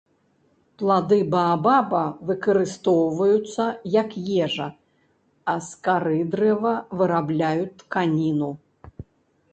Плады баабаба выкарыстоўваюцца, як ежа, а з кары дрэва вырабляюць тканіну.